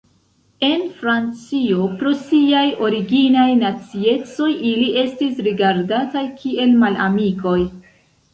En Francio pro siaj originaj naciecoj ili estis rigardataj kiel malamikoj.